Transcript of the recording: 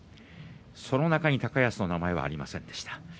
その中に高安の名前はありませんでした。